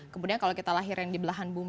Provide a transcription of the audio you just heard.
kemudian kalau kita lahir yang di belahan bumi